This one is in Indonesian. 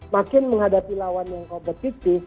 makin menghadapi lawan yang kompetitif